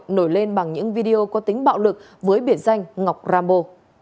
nổi lên bằng những video có tính bạo lực với biển danh ngọc rambo